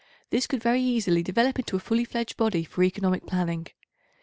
This could very easily develop into a fully fledged body for economic planning.